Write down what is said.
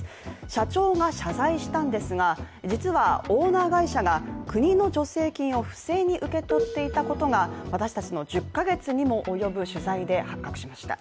社長が謝罪したんですが、実はオーナー会社が、国の助成金を不正に受け取っていたことが私たちの１０か月にも及ぶ取材で発覚しました。